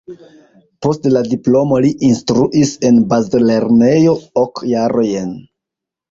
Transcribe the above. Post la diplomo li instruis en bazlernejo ok jarojn.